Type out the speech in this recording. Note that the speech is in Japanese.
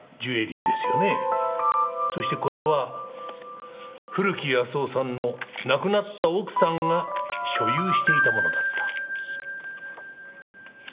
そしてこれは古木保男さんの亡くなった奥さんが所有していたものだった。